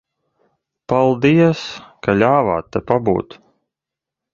Paldies, ka ļāvāt te pabūt.